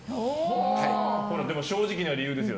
でも正直な理由ですよ。